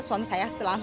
suami saya selamat